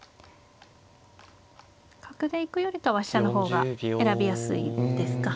角で行くよりかは飛車の方が選びやすいですか。